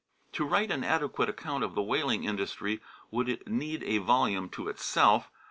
To write an adequate account of the whaling industry would need a volume to itself.